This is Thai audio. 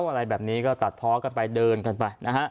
อะไรแบบนี้ก็ตัดเพาะกันไปเดินกันไปนะฮะ